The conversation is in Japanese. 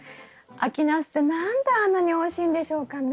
秋ナスって何であんなにおいしいんでしょうかね？